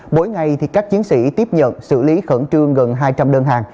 mỗi ngày các chiến sĩ tiếp nhận xử lý khẩn trương gần hai trăm linh đơn hàng